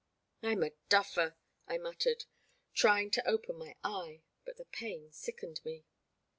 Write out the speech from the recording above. I *m a duffer, ' I muttered, trying to open my eye, but the pain sickened me.